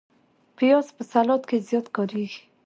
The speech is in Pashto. پیاز په سلاد کې زیات کارېږي